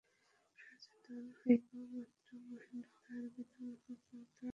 সচেতন হইবামাত্র মহেন্দ্র তাহার ব্যথা অনুভব করিতে আরম্ভ করিল।